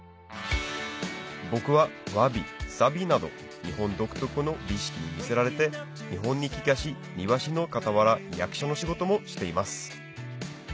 僕は「わびさび」など日本独特の美意識に魅せられて日本に帰化し庭師の傍ら役者の仕事もしています